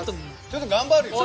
ちょっと頑張るよね。